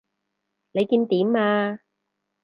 你見點啊？